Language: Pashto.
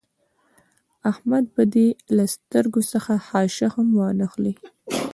احمد به دې له سترګو څخه خاشه هم وانخلي.